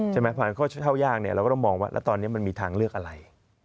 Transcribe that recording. ใช่ไหมผ่านข้อเช่ายากเนี่ยเราก็ต้องมองว่าแล้วตอนนี้มันมีทางเลือกอะไร